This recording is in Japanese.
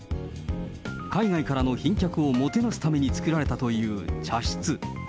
海外からの賓客をもてなすために作られたという茶室。